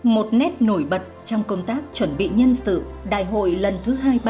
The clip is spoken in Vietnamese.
một nét nổi bật trong công tác chuẩn bị nhân sự đại hội lần thứ hai mươi ba